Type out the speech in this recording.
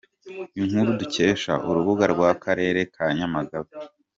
Inkuru dukesha : Urubuga rw’Akarere ka Nyamagabe.